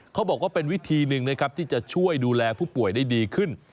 เขาบอกว่าเป็นวิธีหนึ่งนะครับที่จะช่วยดูแลผู้ป่วยได้ดีขึ้น